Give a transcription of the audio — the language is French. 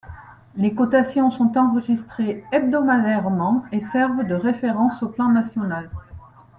Les cotations sont enregistrées hebdomadairement et servent de référence au plan national.